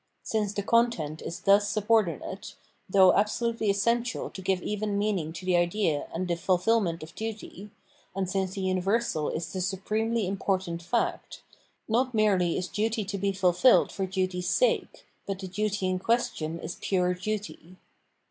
Since the content is thus subor dinate, though absolutely essential to give even meaning to the idea and the fulfilment " of duty, and since the universal is the supremely im portant fact, not merely is duty to be fulfilled for duty's sake, but the duty in question is pure duty.